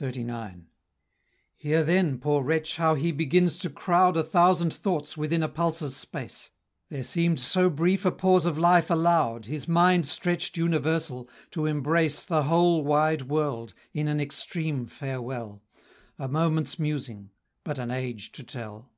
XXXIX. Here then, poor wretch, how he begins to crowd A thousand thoughts within a pulse's space; There seem'd so brief a pause of life allow'd, His mind stretch'd universal, to embrace The whole wide world, in an extreme farewell, A moment's musing but an age to tell.